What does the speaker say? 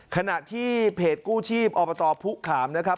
ขณะที่เพจกู้ชีพอบตพุขามนะครับ